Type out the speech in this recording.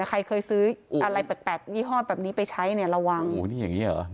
ใครเคยซื้ออะไรแปลกยี่ห้อแบบนี้ไปใช้เนี่ยระวังโอ้โหนี่อย่างนี้เหรอ